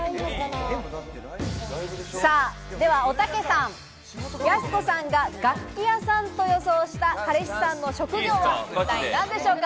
ではおたけさん、やす子さんが楽器屋さんと予想した彼氏さんの職業は一体何でしょうか。